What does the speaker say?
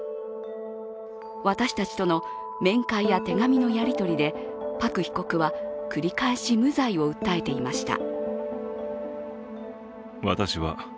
私たちとの面会や手紙のやり取りでパク被告は繰り返し無罪を訴えていました。